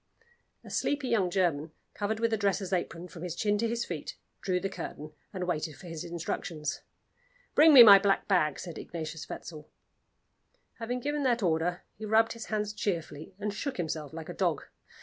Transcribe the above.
A sleepy young German, covered with a dresser's apron from his chin to his feet, drew the curtain, and waited for his instructions. "Bring me my black bag," said Ignatius Wetzel. Having given that order, he rubbed his hands cheerfully, and shook himself like a dog.